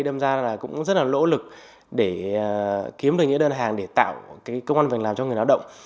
đâm ra là cũng rất là lỗ lực để kiếm được những đơn hàng để tạo cái công an việc làm cho người lao động